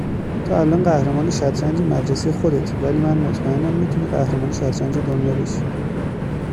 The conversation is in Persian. تو الان قهرمان شطرنج مدرسه خودتی ولی من مطمئنم میتونی قهرمان شطرنج دنیا بشی